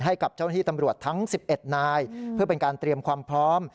ให้กับเจ้าหน้าที่ตำรวจทั้ง๑๑นายเพื่อเป็นการเตรียมความพร้อม